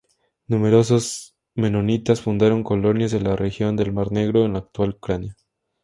Numerosos menonitas fundaron colonias de la región del Mar Negro, en la actual Ucrania.